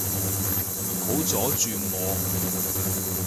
唔好阻住我